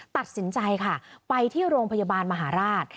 ตัดสินใจค่ะไปที่โรงพยาบาลมหาราช